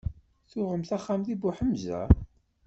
Tuɣemt axxam deg Buḥemza?